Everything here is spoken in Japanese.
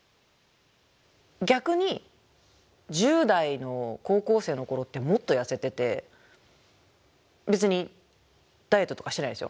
逆に１０代の高校生の頃ってもっと痩せてて別にダイエットとかしてないですよ。